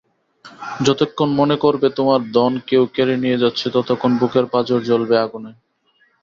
যতক্ষণ মনে করবে তোমার ধন কেউ কেড়ে নিয়ে যাচ্ছে ততক্ষণ বুকের পাঁজর জ্বলবে আগুনে।